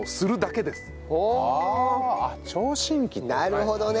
なるほどね。